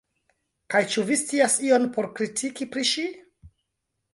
Kaj ĉu vi scias ion por kritiki pri ŝi?